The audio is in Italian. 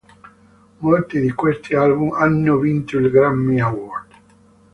Molti di questi album hanno vinto il Grammy Award.